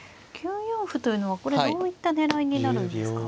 ９四歩というのはこれどういった狙いになるんですか。